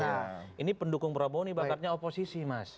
nah ini pendukung prabowo ini bakatnya oposisi mas